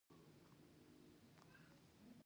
ما درته د ذاکر نايک سي ډي راوړې ده.